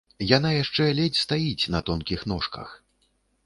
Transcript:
Яна яшчэ ледзь стаіць на тонкіх ножках.